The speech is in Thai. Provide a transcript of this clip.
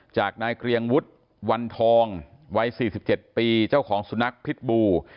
จากนายเกรียงวุฒิวันทองวัย๔๗ปีเจ้าของสุนัขพิษบู